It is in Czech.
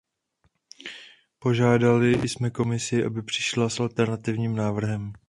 Požádali jsme Komisi, aby přišla s alternativním návrhem.